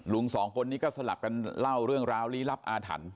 สองคนนี้ก็สลับกันเล่าเรื่องราวลี้ลับอาถรรพ์